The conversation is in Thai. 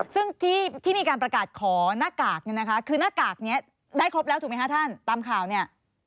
ซึ่งที่มีการประกาศขอหน้ากากเนี่ยนะคะคือหน้ากากนี้ได้ครบแล้วถูกไหมคะท่านตามข่าวเนี่ย